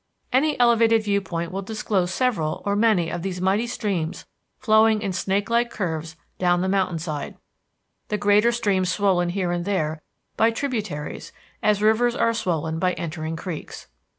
Any elevated viewpoint will disclose several or many of these mighty streams flowing in snakelike curves down the mountainside, the greater streams swollen here and there by tributaries as rivers are swollen by entering creeks.